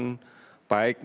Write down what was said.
baik masker yang ada di pasar